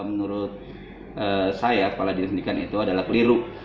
menurut saya kepala dinas pendidikan itu adalah keliru